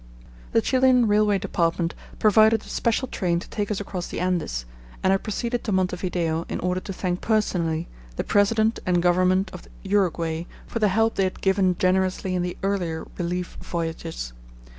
The Chilian Railway Department provided a special train to take us across the Andes, and I proceeded to Montevideo in order to thank personally the President and Government of Uruguay for the help they had given generously in the earlier relief voyages.